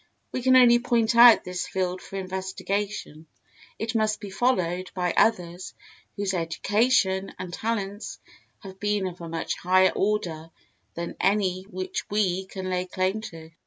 We can only point out this field for investigation; it must be followed by others whose education and talents have been of a much higher order than any which we can lay claim to.